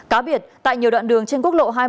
cá biệt tại nhiều đoạn đường trên quốc lộ hai mươi